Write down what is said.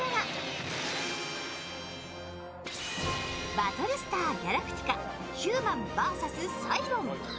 バトルスター・ギャラクティカ：ヒューマンｖｓサイロン。